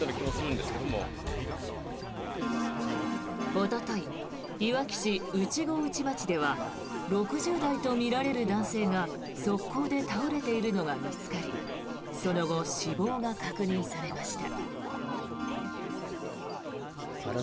おとといいわき市内郷内町では６０代とみられる男性が側溝で倒れているのが見つかりその後、死亡が確認されました。